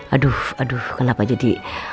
aduh aduh kenapa jadi